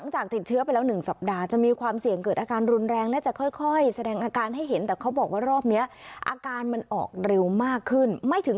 จะเริ่มมีอาการมากขึ้น